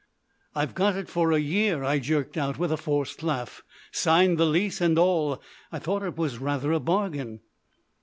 "I've got it for a year," I jerked out, with a forced laugh; "signed the lease and all. I thought it was rather a bargain."